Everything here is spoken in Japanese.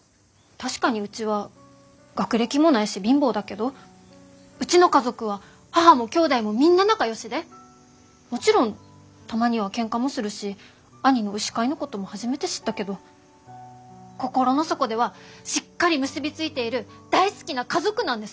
確かにうちは学歴もないし貧乏だけどうちの家族は母もきょうだいもみんな仲よしでもちろんたまにはケンカもするし兄の牛飼いのことも初めて知ったけど心の底ではしっかり結び付いている大好きな家族なんです！